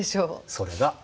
それが。